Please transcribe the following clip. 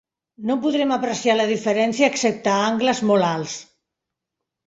No podrem apreciar la diferència excepte a angles molt alts.